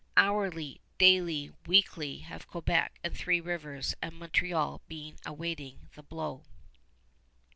Hourly, daily, weekly, have Quebec and Three Rivers and Montreal been awaiting the blow.